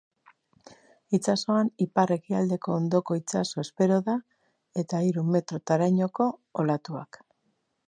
Itsasoan ipar-ekialdeko hondoko itsasoa espero da, eta hiru metrorainoko olatuak.